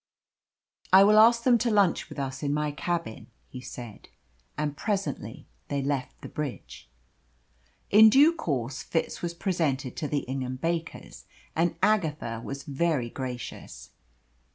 "I will ask them to lunch with us in my cabin," he said. And presently they left the bridge. In due course Fitz was presented to the Ingham Bakers, and Agatha was very gracious.